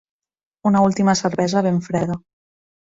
Una última cervesa ben freda.